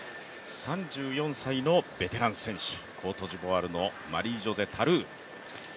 ３４歳のベテラン選手、コートジボワールのマリージョセ・タルー。